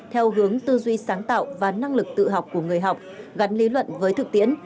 theo hướng tư duy sáng tạo và năng lực tự học của người học gắn lý luận với thực tiễn